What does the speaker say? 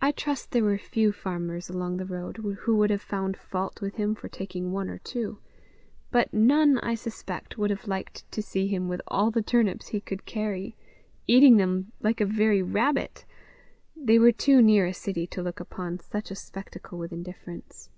I trust there were few farmers along the road who would have found fault with him for taking one or two; but none, I suspect, would have liked to see him with all the turnips he could carry, eating them like a very rabbit: they were too near a city to look upon such a spectacle with indifference.